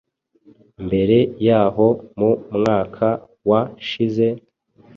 Mbere yaho mu mwaka wa shize,